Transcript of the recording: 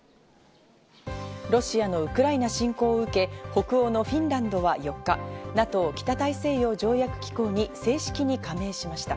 ロシアのウクライナ侵攻を受け、北欧のフィンランドは４日、ＮＡＴＯ＝北大西洋条約機構に正式に加盟しました。